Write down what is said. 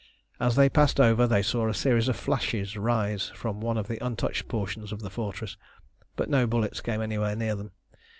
As they passed over they saw a series of flashes rise from one of the untouched portions of the fortress, but no bullets came anywhere near them.